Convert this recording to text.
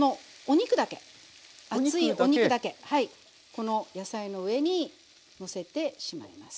この野菜の上にのせてしまいます。